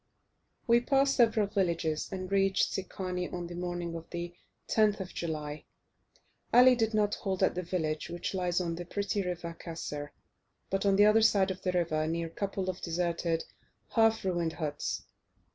We passed several villages, and reached Secani on the morning of the 10th of July. Ali did not halt at the village which lies on the pretty river Kasir, but on the other side of the river near a couple of deserted, half ruined huts.